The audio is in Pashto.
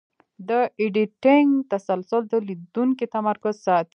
د ایډیټینګ تسلسل د لیدونکي تمرکز ساتي.